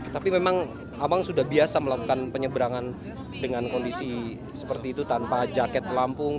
tapi memang abang sudah biasa melakukan penyeberangan dengan kondisi seperti itu tanpa jaket pelampung